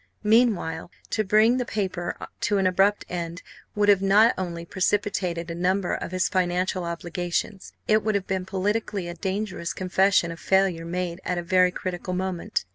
Meanwhile, to bring the paper to an abrupt end would have not only precipitated a number of his financial obligations; it would have been politically, a dangerous confession of failure made at a very critical moment.